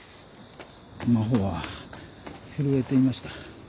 真帆は震えていました。